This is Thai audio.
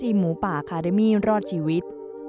หมูป่าคาเดมี่รอดชีวิต